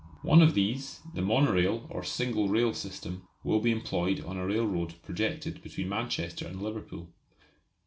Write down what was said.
One of these, the monorail or single rail system, will be employed on a railroad projected between Manchester and Liverpool.